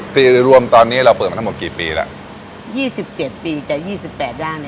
สี่รวมตอนนี้เราเปิดมาทั้งหมดกี่ปีแล้วยี่สิบเจ็ดปีกับยี่สิบแปดด้านเนี้ย